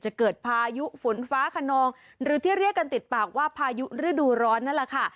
จะเกิดพายุฝนฟ้าขนองหรือที่เรียกกันติดปากว่าพายุฤดูร้อนนั่นแหละค่ะ